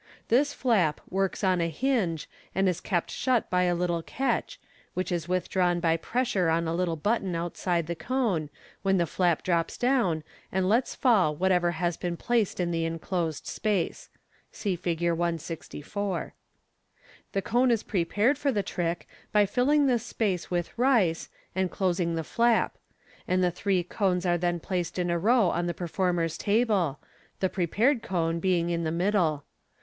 This flap works on a hinge, and is kept shut by a little catch, which is withdrawn by pressure on a little button outside the cone, when the flap drops down, and lets fall whatever has been placed in the enclosed space. (See Fig. 164.) The cone is prepared for the trick by filling this space with rice, and closing the flap $ and the three cones are then placed in a row on the performer's table, the prepared one being in the middle.